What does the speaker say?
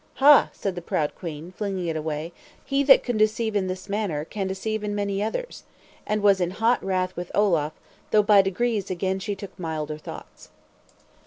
"Ha," said the proud Queen, flinging it away, "he that could deceive in this matter can deceive in many others!" And was in hot wrath with Olaf; though, by degrees, again she took milder thoughts.